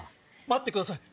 待ってください！